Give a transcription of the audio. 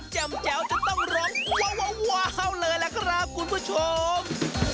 จะต้องร้องว้าวว้าวว้าวเลยแหละครับคุณผู้ชม